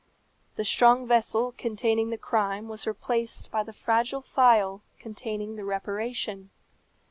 The strong vessel containing the crime was replaced by the fragile phial containing the reparation.